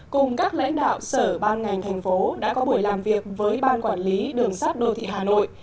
cùng các lãnh đạo sở ban ngành thành phố đã có buổi làm việc với ban quản lý đường sát đô thị hà nội